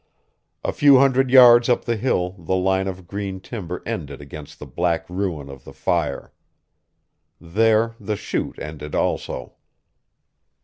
A few hundred yards up the hill the line of green timber ended against the black ruin of the fire. There the chute ended also.